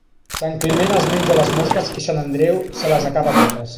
Sant Climent es menja les mosques i Sant Andreu se les acaba totes.